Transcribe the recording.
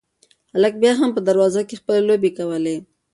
هلک بیا هم په دروازه کې خپلې لوبې کولې.